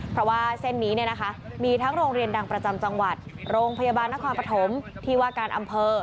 เพราะว่าเส้นนี้เนี่ยนะคะมีทั้งโรงเรียนดังประจำจังหวัดโรงพยาบาลนครปฐมที่ว่าการอำเภอ